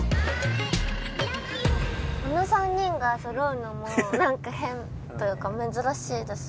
この３人がそろうのもなんか変というか珍しいですよね。